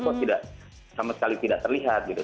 kok tidak sama sekali tidak terlihat gitu